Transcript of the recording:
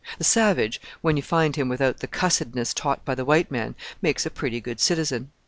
The savage, when you find him without the cussedness taught by the white man, makes a pretty good citizen.